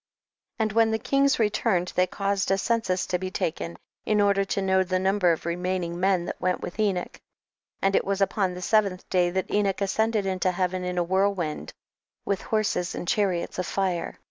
And when the kings returned THE BOOK OF JASHER. 9 they caused a census to be taken, in order to know the number of re maining men that went vvitli Enoch ; and it was upon the seventh day that Enocli ascended into heaven in a whirlwind, witli horses and chariots of fire.